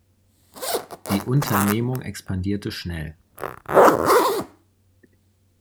Die Unternehmung expandierte schnell.